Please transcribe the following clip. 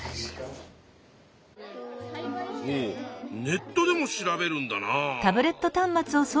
ネットでも調べるんだな。